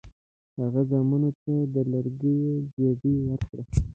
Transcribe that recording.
هغه زامنو ته د لرګیو ګېډۍ ورکړه.